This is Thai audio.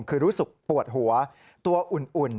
คือรู้สึกปวดหัวตัวอุ่น